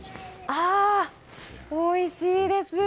あー、おいしいです！